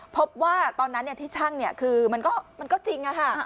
พบว่าตอนนั้นเนี่ยที่ชั่งเนี่ยคือมันก็จริงอะค่ะ